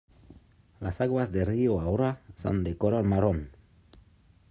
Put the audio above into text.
Las aguas del río Aura son de color marrón.